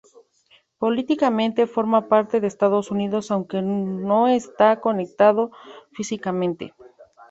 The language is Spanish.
Políticamente forma parte de Estados Unidos aunque no está conectado físicamente.